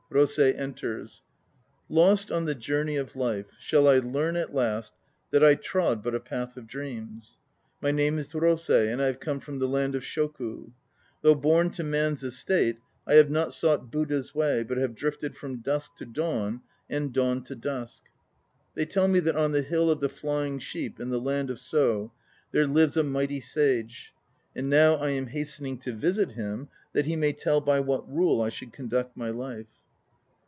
ROSEI (enters). Lost on the journey of life, shall I learn at last That I trod but a path of dreams? My name is Rosei, and I have come from the land of Shoku. Though born to man's estate, I have not sought Buddha's way, but have drifted from dusk to dawn and dawn to dusk. They tell me that on the Hill of the Flying Sheep in the land of So 1 there lives a mighty sage; and now I am hastening to visit him that he may tell by what rule I should conduct my life.